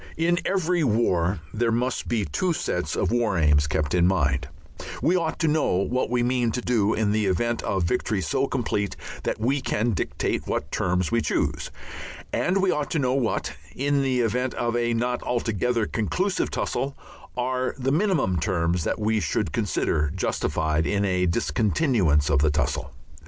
In every war there must be two sets of War Aims kept in mind; we ought to know what we mean to do in the event of victory so complete that we can dictate what terms we choose, and we ought to know what, in the event of a not altogether conclusive tussle, are the minimum terms that we should consider justified us in a discontinuance of the tussle.